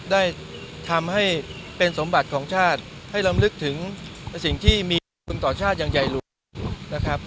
ได้ทำให้เป็นสมบัติของชาติให้ลำลึกถึงสิ่งที่มีคุณต่อชาติอย่างใหญ่หลวงนะครับ